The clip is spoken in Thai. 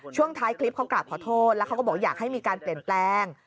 ช่วงท้ายคลิปเขากราบขอโทษแล้วเขาก็บอกอยากให้มีการเปลี่ยนแปลง